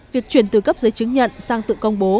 việc chuyển từ cấp giấy chứng nhận sang tự công bố